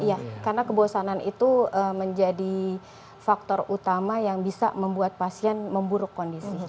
iya karena kebosanan itu menjadi faktor utama yang bisa membuat pasien memburuk kondisi